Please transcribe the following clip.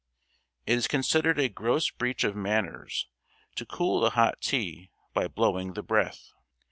It is considered a gross breach of manners to cool the hot tea by blowing the breath.